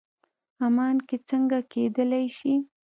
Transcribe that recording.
عمان کې څنګه کېدلی شي.